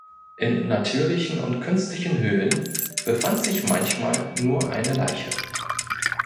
In natürlichen und künstlichen Höhlen befand sich manchmal nur eine Leiche.